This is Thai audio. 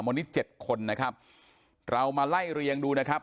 วันนี้เจ็ดคนนะครับเรามาไล่เรียงดูนะครับ